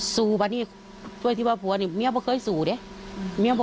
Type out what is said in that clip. สู้ป่ะเนี่ยโดยที่ว่าผัวเนี่ยแม่บ่เคยสู้เด้ย